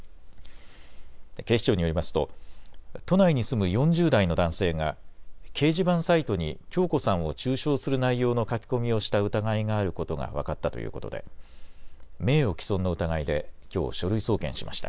警視庁によりますと都内に住む４０代の男性が掲示板サイトに響子さんを中傷する内容の書き込みをした疑いがあることが分かったということで名誉毀損の疑いできょう、書類送検しました。